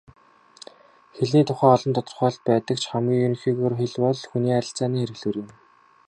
Хэлний тухай олон тодорхойлолт байдаг ч хамгийн ерөнхийгөөр хэл бол хүний харилцааны хэрэглүүр юм.